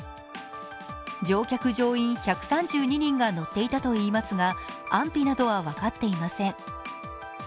乗客・乗員１３２人が乗っていたといいますが、安否などは分かっていません。